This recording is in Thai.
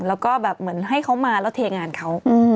แล้วก็แบบเหมือนให้เขามาแล้วเทงานเขา